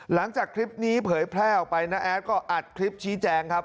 หลังจากคลิปนี้เผยแพร่ออกไปน้าแอดก็อัดคลิปชี้แจงครับ